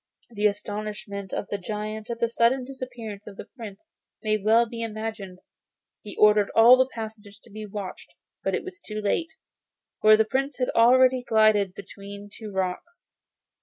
The astonishment of the giant at the sudden disappearance of the Prince may well be imagined. He ordered all the passages to be watched, but it was too late, for the Prince had already glided between two rocks.